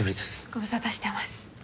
ご無沙汰してます。